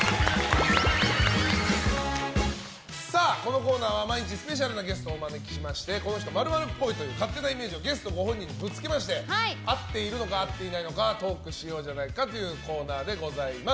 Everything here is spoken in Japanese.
このコーナーは毎日スペシャルなゲストをお招きしましてこの人○○っぽいという勝手なイメージをゲストご本人にぶつけまして合っているのか合っていないのかトークしようじゃないかというコーナーです。